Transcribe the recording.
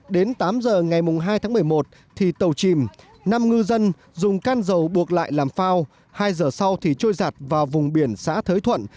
đến tám h ngày hai một mươi một thì tàu chìm năm ngư dân dùng can dầu buộc lại làm phao hai h sau thì trôi giạt vào vùng biển xã thới thuận